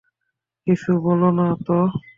কিছু বোলো না তো।